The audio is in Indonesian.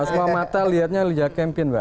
semua mata lihatnya liga campakin mbak